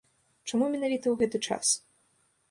Чаму менавіта ў гэты час?